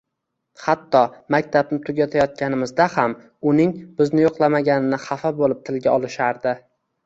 Hatto, maktabni tugatayotganimizda ham uning bizni yo`qlamaganini xafa bo`lib tilga olishardi